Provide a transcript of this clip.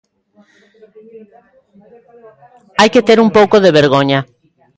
Hai que ter un pouco de vergoña.